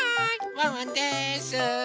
ワンワンです！